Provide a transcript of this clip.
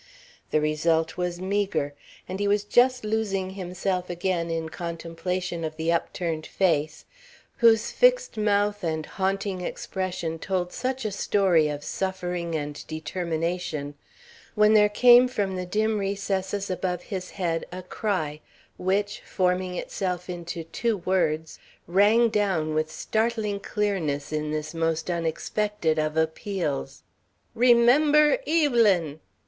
The result was meagre, and he was just losing himself again in contemplation of the upturned face, whose fixed mouth and haunting expression told such a story of suffering and determination, when there came from the dim recesses above his head a cry, which, forming itself into two words, rang down with startling clearness in this most unexpected of appeals: "Remember Evelyn!"